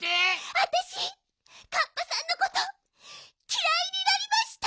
わたしカッパさんのこときらいになりました！